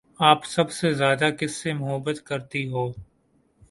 آپ سب سے زیادہ کس سے محبت کرتی ہو؟